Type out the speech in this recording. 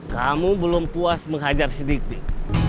kamu belum puas menghajar sidik sidik